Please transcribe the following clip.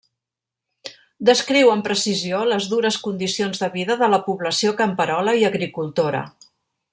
Descriu amb precisió les dures condicions de vida de la població camperola i agricultora.